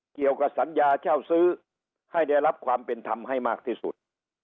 เกี่ยวกับสัญญาเช่าซื้อให้ได้รับความเป็นธรรมให้มากที่สุด